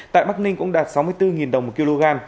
tại bắc ninh cũng đạt sáu mươi bốn đồng một kg